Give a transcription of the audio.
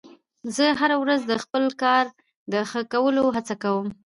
زه هره ورځ د خپل کار د ښه کولو هڅه کوم